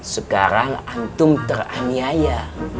sekarang antum teraniaya